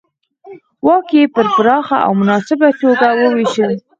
واک یې په پراخه او مناسبه توګه وېشه.